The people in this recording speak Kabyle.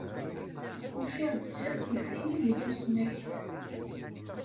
Ufiɣ-d ziɣ tif-iyi deg tusnakt.